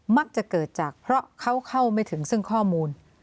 มักจะเกิดจากเพราะเขาเข้าไม่ถึงซึ่งข้อมูล